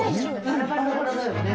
バラバラだよね。